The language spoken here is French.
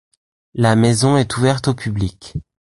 La maison est ouverte au public.